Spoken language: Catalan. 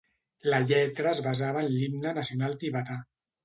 La lletra es basava en l'himne nacional tibetà.